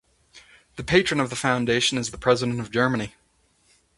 The patron of the Foundation is President of Germany.